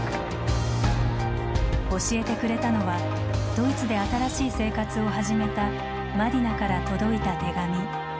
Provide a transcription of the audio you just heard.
教えてくれたのはドイツで新しい生活を始めたマディナから届いた手紙。